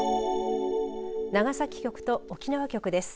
長崎局と沖縄局です。